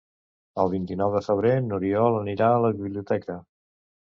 El vint-i-nou de febrer n'Oriol anirà a la biblioteca.